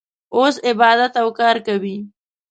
اوس عبادت او کار کوي.